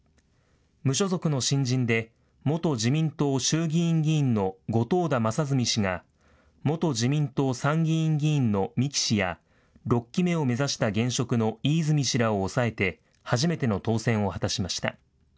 無所属の新人で、元自民党衆議院議員の後藤田正純氏が、元自民党参議院議員の三木氏や、６期目を目指した現職の飯泉氏らを抑えて初めての当選を果たしました。